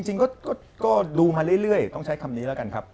จริงก็ดูมาเรื่อยต้องใช้คำนี้แล้วกันครับ